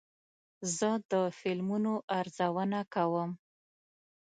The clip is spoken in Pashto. زه د فلمونو ارزونه کوم.